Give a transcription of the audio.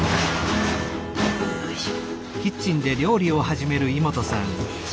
よいしょ。